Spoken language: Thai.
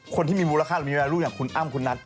คนที่มีมูลค่ามีแมวรู้อย่างคุณอั้มคุณนัท